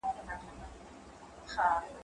هغه څوک چي لوښي وچوي منظم وي؟!